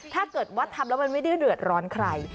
ถ้าเกิดว่าทำแล้วมันไม่ได้เดือดร้อนใคร